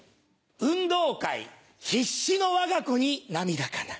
運動会必死のわが子に涙かな。